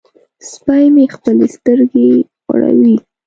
سپی مې خپلې سترګې غړوي.